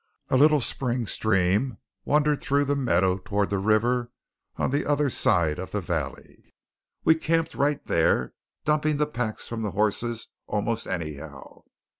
A little spring stream wandered through the meadow toward the river on the other side of the valley. We camped right there, dumping the packs from the horses almost anyhow.